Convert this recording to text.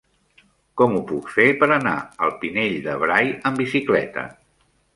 Com ho puc fer per anar al Pinell de Brai amb bicicleta?